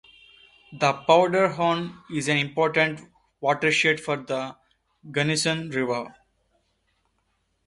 The Powderhorn is an important watershed for the Gunnison River.